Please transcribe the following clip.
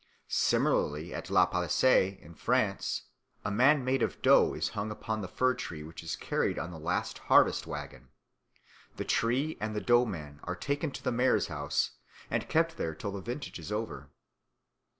Similarly at La Palisse, in France, a man made of dough is hung upon the fir tree which is carried on the last harvest waggon. The tree and the dough man are taken to the mayor's house and kept there till the vintage is over.